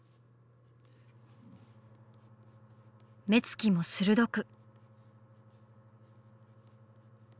目つきも鋭く。